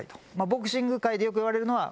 ボクシング界でよくいわれるのは。